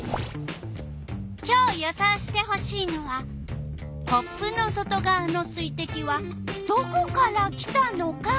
今日予想してほしいのはコップの外がわの水てきはどこから来たのか。